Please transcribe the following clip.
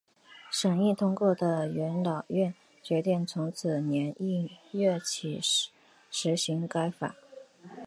审议通过的元老院决定从次年一月起施行该法。